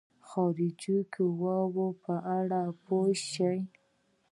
خارجي قواوو په اړه پوه شي.